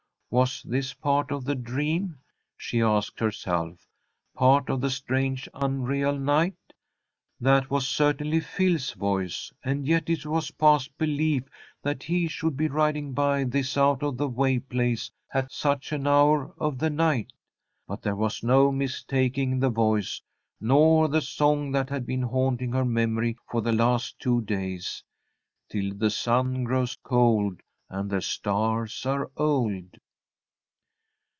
Was this part of the dream? she asked herself. Part of the strange, unreal night? That was certainly Phil's voice, and yet it was past belief that he should be riding by this out of the way place at such an hour of the night. But there was no mistaking the voice, nor the song that had been haunting her memory for the last two days: "Till the sun grows cold, And the stars are old."